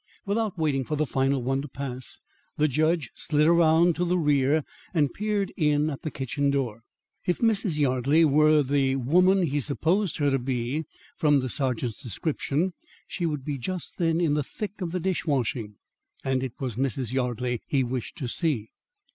Without waiting for the final one to pass, the judge slid around to the rear and peered in at the kitchen door. If Mrs. Yardley were the woman he supposed her to be from the sergeant's description, she would be just then in the thick of the dish washing. And it was Mrs. Yardley he wished to see.